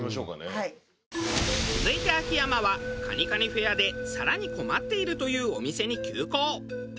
続いて秋山は蟹蟹フェアで更に困っているというお店に急行。